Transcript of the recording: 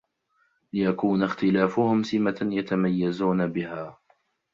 لِيَكُونَ اخْتِلَافُهُمْ سِمَةً يَتَمَيَّزُونَ بِهَا